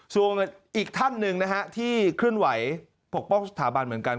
ส่วนอีกท่านหนึ่งนะฮะที่เคลื่อนไหวปกป้องสถาบันเหมือนกัน